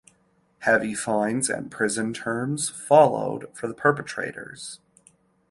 Heavy fines and prison terms followed for the perpetrators.